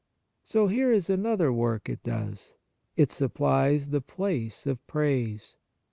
So here is another work it does. It supplies the place of praise.